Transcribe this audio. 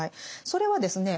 それはですね